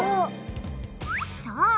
そう！